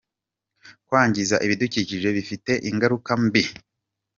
kwangiza ibidukikije bifite ingaruka mbi